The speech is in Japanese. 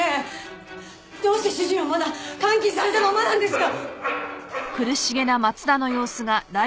どうして主人はまだ監禁されたままなんですか！？